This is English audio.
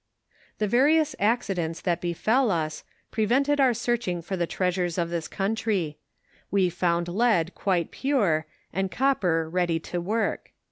The various accidents that befell us, prevented our search ing for the treasures of this country : we found lead quite pure, and copper ready to work.